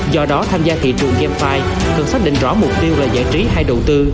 do đó tham gia thị trường jean file cần xác định rõ mục tiêu là giải trí hay đầu tư